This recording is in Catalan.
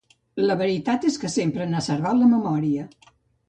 La veritat és que sempre n'han servat la memòria.